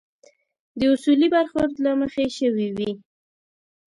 د اصولي برخورد له مخې شوي وي.